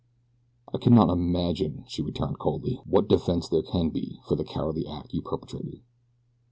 "I cannot imagine," she returned coldly, "what defense there can be for the cowardly act you perpetrated."